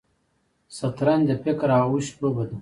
شطرنج د فکر او هوش لوبه ده.